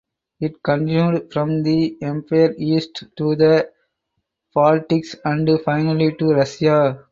It continued from the Empire East to the Baltics and finally to Russia.